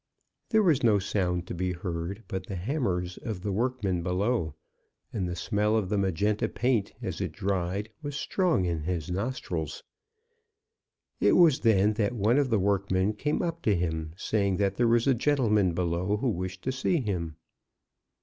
There was no sound to be heard but the hammers of the workmen below; and the smell of the magenta paint, as it dried, was strong in his nostrils. It was then that one of the workmen came up to him, saying that there was a gentleman below who wished to see him.